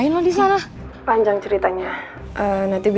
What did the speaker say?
jub metang om